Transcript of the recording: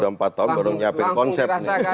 sudah empat tahun baru nyiapin konsep